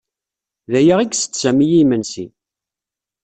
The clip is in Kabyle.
D aya i isett Sami i yimensi.